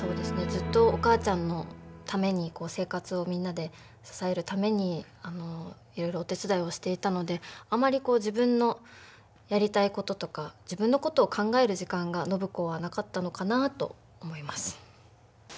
ずっとお母ちゃんのために生活をみんなで支えるためにいろいろお手伝いをしていたのであまりこう自分のやりたいこととか自分のことを考える時間が暢子はなかったのかなあと思います。